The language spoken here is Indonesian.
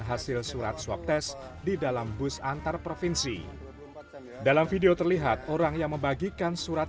hasil surat swab tes di dalam bus antar provinsi dalam video terlihat orang yang membagikan surat